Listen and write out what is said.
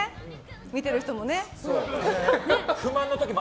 見ている人もね。